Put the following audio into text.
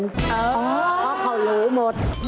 เพราะเขารู้หมด